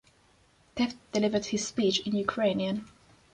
Tefft delivered his speech in Ukrainian.